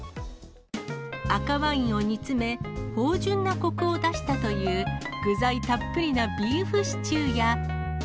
赤ワインを煮詰め、芳じゅんなこくを出したという、具材たっぷりなビーフシチューや。